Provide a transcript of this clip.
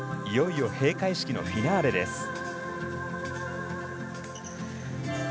いよいよ閉会式のフィナーレです。